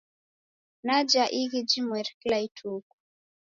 Naja ighi jimweri kila ituku.